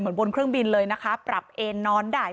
บนเครื่องบินเลยนะคะปรับเอนนอนได้